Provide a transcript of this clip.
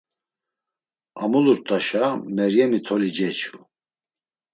Amulurt̆uşa, Meryemi toli ceçu.